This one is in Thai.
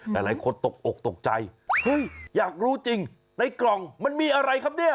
หลายคนตกอกตกใจเฮ้ยอยากรู้จริงในกล่องมันมีอะไรครับเนี่ย